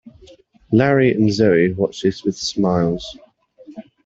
Larry and Zoe watch this with smiles.